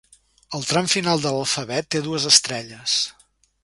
El tram final de l'alfabet té dues estrelles.